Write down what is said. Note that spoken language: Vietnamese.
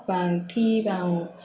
và thi vào